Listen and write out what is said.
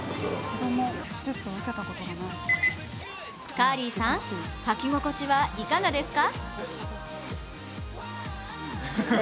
カーリーさん、履き心地はいかがですか？